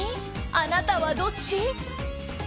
あなたはどっち？